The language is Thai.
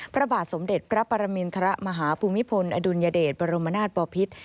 พระบาทสมเด็จพระปรมินทรมาฮภูมิพลอดุลยเดชบรมนาศปอพิษ